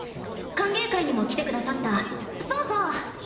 歓迎会にも来てくださったそうそう！